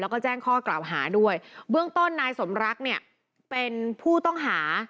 แล้วก็แจ้งข้อกล่าวหาด้วยเบื้องต้นนายสมรักเนี่ยเป็นผู้ต้องหา